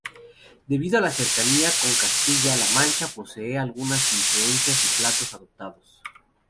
Debido a la cercanía con Castilla-La Mancha posee algunas influencias y platos adoptados.